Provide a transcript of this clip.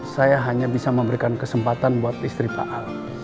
saya hanya bisa memberikan kesempatan buat istri pak al